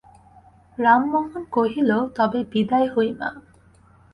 রামমোহন কহিল, তবে বিদায় হই মা।